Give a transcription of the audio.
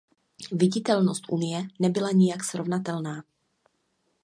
Viditelnost Unie nebyla nijak srovnatelná.